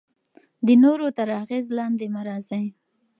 د نورو تر اغیز لاندې مه راځئ.